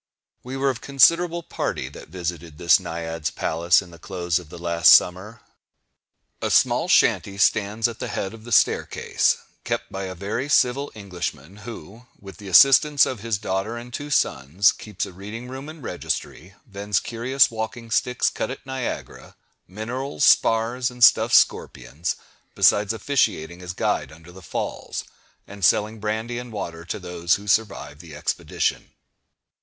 We were of a considerable party that visited this Naiad's palace in the close of the last summer. A small shanty stands at the head of the staircase, kept by a very civil Englishman, who, with the assistance of his daughter and two sons, keeps a reading room and registry, vends curious walking sticks cut at Niagara, minerals, spars, and stuffed scorpions, besides officiating as guide under the Falls, and selling brandy and water to those who survive the expedition.